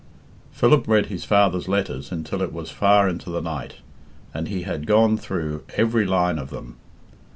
Philip read his father's letters until it was far into the night, and he had gone through every line of them.